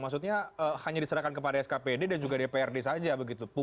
maksudnya hanya diserahkan kepada skpd dan juga dprd saja begitu